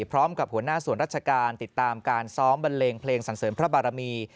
หัวหน้าส่วนราชการติดตามการซ้อมบันเลงเพลงสันเสริมพระบารมี